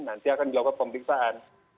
nanti akan dilakukan pemeriksaan